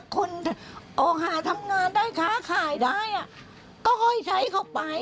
คนออกหาทำงานได้ค้าขายได้ก็ค่อยใช้เข้าไป